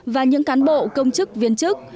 và những cán bộ công chức viên chức